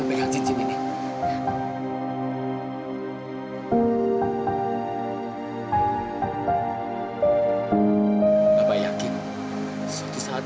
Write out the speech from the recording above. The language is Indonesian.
bapak sayangkan aku